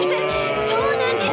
そうなんです。